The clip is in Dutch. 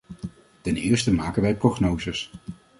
Ten eerste maken wij prognoses.